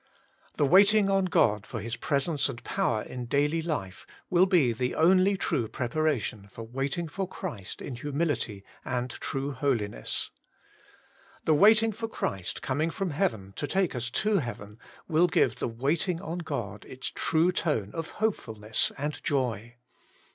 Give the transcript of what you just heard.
The waiting on God for His presence and power in daily life will he the only true preparation for waiting for Christ in humility and true holiness. The waiting for Christ coming from heaven to take us to heaven WAITING ON GOD/ 131 will give the waiting on God its true tone of hopefulness and joy.